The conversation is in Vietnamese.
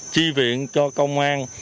tri viện cho công an